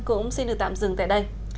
cũng xin được tạm dừng tại đây